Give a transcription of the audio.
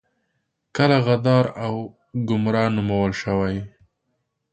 کله غدار او ګمرا نومول شوي.